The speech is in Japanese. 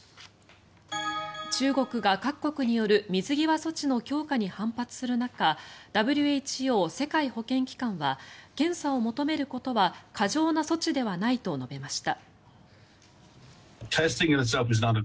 中国が各国による水際措置の強化に反発する中ＷＨＯ・世界保健機関は検査を求めることは過剰な措置ではないと述べました。